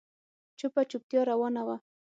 چوپه چوپتيا روانه وه.